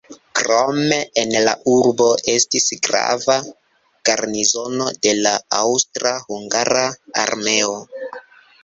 Krome en la urbo estis grava garnizono de la aŭstra-hungara armeo.